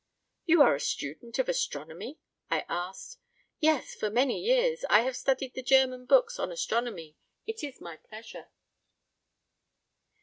"You are a student of astronomy?" I asked. "Yes, for many years, I have studied the German books on astronomy. It is my pleasure."